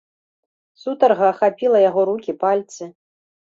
Сутарга ахапіла яго рукі, пальцы.